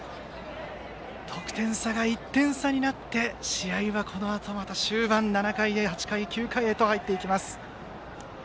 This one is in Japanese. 得点差が１点差になって試合は、このあとまた終盤７回、８回、９回へと入ります。